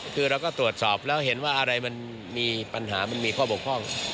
คือเราก็ตรวจสอบแล้วเห็นว่าอะไรมันมีปัญหามันมีข้อบกพร่อง